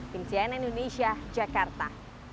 pinsyayana indonesia jakarta